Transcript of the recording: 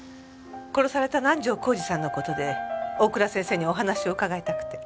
殺された南条晃司さんの事で大倉先生にお話を伺いたくて。